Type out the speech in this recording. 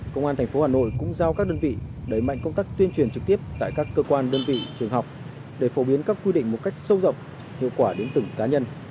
công an tp hà nội cũng giao các đơn vị đẩy mạnh công tác tuyên truyền trực tiếp tại các cơ quan đơn vị trường học để phổ biến các quy định một cách sâu rộng hiệu quả đến từng cá nhân